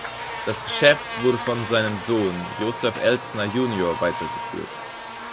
Das Geschäft wurde von seinem Sohn Joseph Elsner junior weiter geführt.